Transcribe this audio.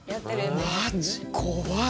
マジ怖い！